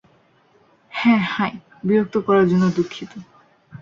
হ্যাঁ হাই, বিরক্ত করার জন্য দুঃখিত।